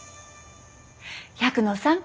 百野さん